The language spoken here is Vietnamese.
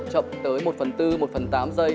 chậm tới một phần bốn một phần tám giây